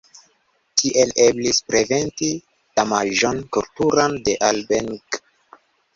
Tiel eblis preventi damaĝon kulturan de Alenburg.